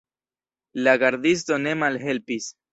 La gardisto ne malhelpis.